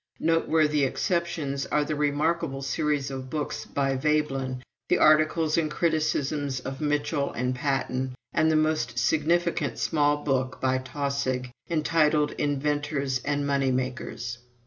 Noteworthy exceptions are the remarkable series of books by Veblen, the articles and criticisms of Mitchell and Patten, and the most significant small book by Taussig, entitled 'Inventors and Money makers.'